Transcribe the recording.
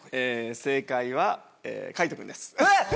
正解は海人君です。